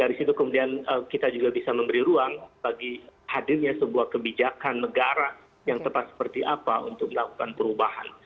dari situ kemudian kita juga bisa memberi ruang bagi hadirnya sebuah kebijakan negara yang tepat seperti apa untuk melakukan perubahan